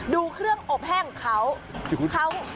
ดูเครื่องอบแห้งของเขา